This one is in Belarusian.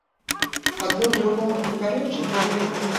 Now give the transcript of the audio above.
Адно другому не пярэчыць?